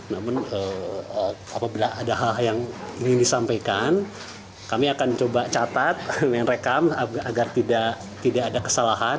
namun apabila ada hal yang ingin disampaikan kami akan coba catat rekam agar tidak ada kesalahan